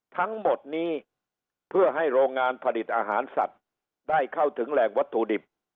ทั้งหมดนี้เพื่อให้โรงงานผลิตอาหารสัตว์ได้เข้าถึงแหล่งวัตถุดิบ